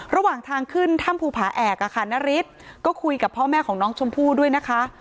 ระหว่างทางขึ้นถ้ำภูผาแอกค่ะนาริสก็คุยกับพ่อแม่ของน้องชมพู่ด้วยนะคะ